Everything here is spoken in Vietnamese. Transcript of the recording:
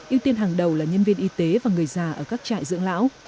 yêu tiên hàng đầu là nhân viên y tế và người già ở các trại dưỡng lão